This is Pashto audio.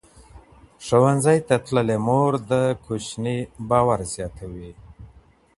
ښوونځې تللې مور د ماشوم باور زیاتوي.